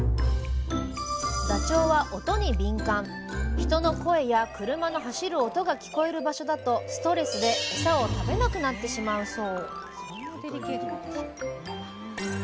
人の声や車の走る音が聞こえる場所だとストレスでエサを食べなくなってしまうそう